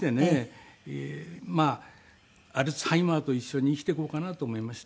まあアルツハイマーと一緒に生きていこうかなと思いました。